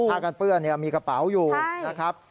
กันเปื้อนมีกระเป๋าอยู่นะครับ